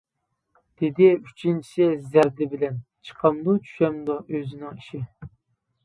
دېدى ئۈچىنچىسى زەردە بىلەن، چىقامدۇ-چۈشەمدۇ ئۆزىنىڭ ئىشى!